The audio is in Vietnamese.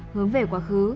hướng về quá khứ